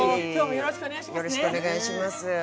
よろしくお願いします。